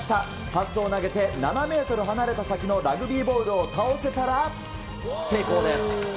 パスを投げて７メートル離れた先のラグビーボールを倒せたら成功です。